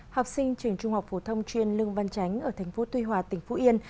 học sinh trường trung học phổ thông chuyên lương văn chánh ở thành phố tuy hòa tỉnh phú yên